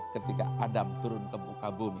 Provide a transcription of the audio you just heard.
ketika adam turun ke muka bumi